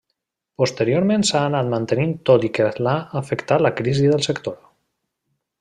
Posteriorment s'ha anat mantenint tot i que l'ha afectat la crisi del sector.